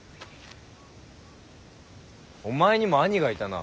お前にも兄がいたな。